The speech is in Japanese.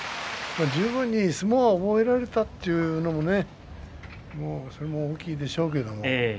十分に相撲を覚えられたということも大きいんでしょうけどね